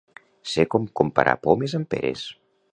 Ser com comparar pomes amb peres.